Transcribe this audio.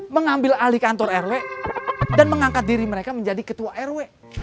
mengambil alih kantor rw dan mengangkat diri mereka menjadi ketua rw